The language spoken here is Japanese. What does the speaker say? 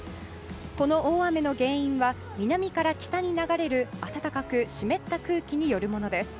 この大雨の原因は南から北に流れる暖かく湿った空気によるものです。